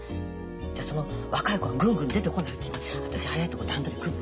じゃその若い子がぐんぐん出てこないうちに私早いとこ段取り組むわ。